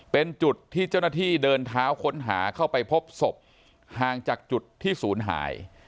เป็นจุดที่เจ้าหน้าที่เดินเท้าค้นหาเข้าไปพบศพห่างจากจุดที่ศูนย์หาย